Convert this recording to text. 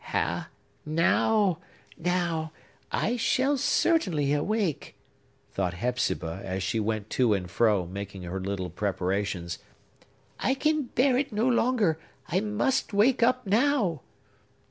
"Now—now—I shall certainly awake!" thought Hepzibah, as she went to and fro, making her little preparations. "I can bear it no longer I must wake up now!"